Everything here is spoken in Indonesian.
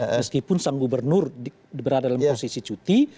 meskipun sang gubernur berada dalam posisi cuti